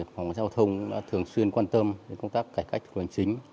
phòng giao thông đã thường xuyên quan tâm đến công tác cải cách hành chính